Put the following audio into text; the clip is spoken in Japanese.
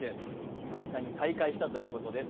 久々に再会したということです。